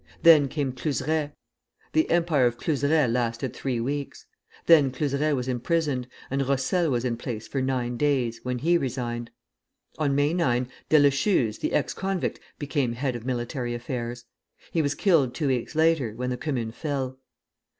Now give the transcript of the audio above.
Then came Cluseret; the Empire Cluseret lasted three weeks. Then Cluseret was imprisoned, and Rossel was in office for nine days, when he resigned. On May 9 Deleschuze, the ex convict, became head of military affairs. He was killed two weeks later, when the Commune fell.